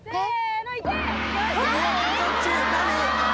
えっ。